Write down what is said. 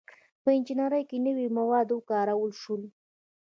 • په انجینرۍ کې نوي مواد وکارول شول.